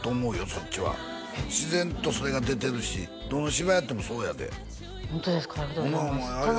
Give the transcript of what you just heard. そっちは自然とそれが出てるしどの芝居やってもそうやでホントですかありがとうございます